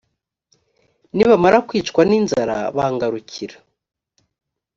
nibamara kwicwa n’inzara bangarukira.